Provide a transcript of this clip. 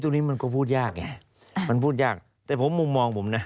ตรงนี้มันก็พูดยากไงมันพูดยากแต่ผมมุมมองผมนะ